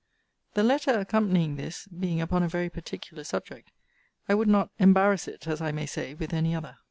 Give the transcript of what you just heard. The letter accompanying this being upon a very particular subject, I would not embarrass it, as I may say, with any other.